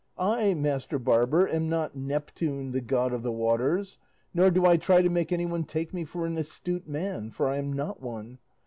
I, master barber, am not Neptune, the god of the waters, nor do I try to make anyone take me for an astute man, for I am not one.